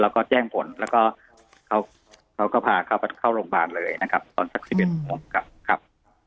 แล้วก็แจ้งผลแล้วก็เขาก็พาเข้าโรงพยาบาลเลยนะครับตอนสัก๑๑โมงกลับครับ